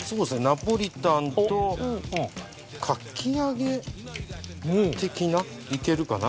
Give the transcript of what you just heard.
ナポリタンとかき揚げ的ないけるかなみたいな。